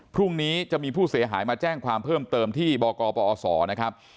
พรุ่งนี้จะมีผู้เสียหายมาแจ้งความเพิ่มเติมที่บกปอศนะครับ